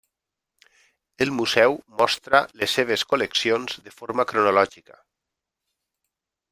El museu mostra les seves col·leccions de forma cronològica.